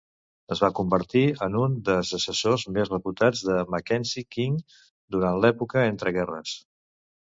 Es va convertir en un des assessors més reputats de Mackenzie King duran l'època entre-guerres.